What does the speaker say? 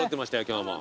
今日も。